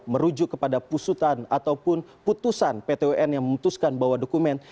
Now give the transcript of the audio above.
merujuk kepada pusutan ataupun putusan pt un yang memutuskan bahwa dokumen